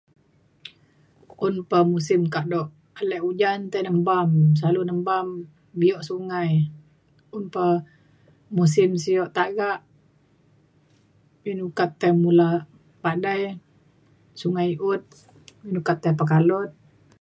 un pa musim kado ale ujan tai nembam. selalu nembam bio sungai un pa musim sio tagak ilu ukat tai mula padai sungai i’ut inu kata pakai alut